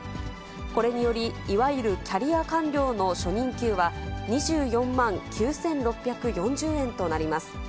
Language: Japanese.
これにより、いわゆるキャリア官僚の初任給は２４万９６４０円となります。